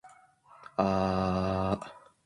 犬を飼うの心の健康に良い